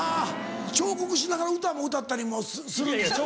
彫刻しながら歌も歌ったりもするんでしょ？